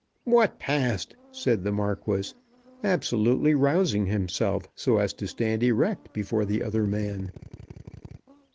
"What passed?" said the Marquis, absolutely rousing himself so as to stand erect before the other man.